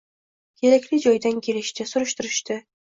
Kerakli joydan kelishdi, surishtirishdi.